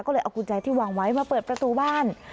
ก็เลยเอากุญแจที่วางไว้มาเปิดประตูบ้าน